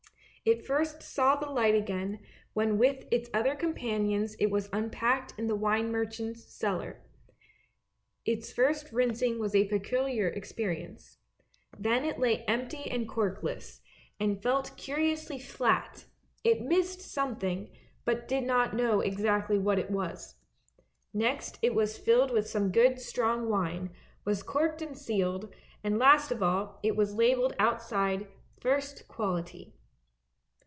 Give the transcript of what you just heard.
It first saw the light again, when with its other companions it was unpacked in the wine merchant's cellar. Its first rinsing was a peculiar experience. Then it lay empty and corkless, and felt curiously flat, it missed something, but did not know exactly what it was. Next it was filled with some good strong wine, was corked and sealed, and last of all it was labelled outside " first quality."